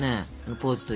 ポーズといい。